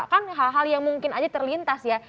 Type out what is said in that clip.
kan hal hal yang mungkin aja terlintas ya